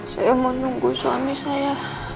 saya mau nunggu suami saya